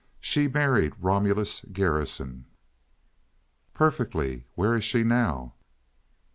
"She married Romulus Garrison." "Perfectly. Where is she now?"